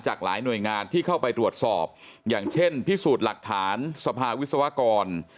หลายหน่วยงานที่เข้าไปตรวจสอบอย่างเช่นพิสูจน์หลักฐานสภาวิศวกร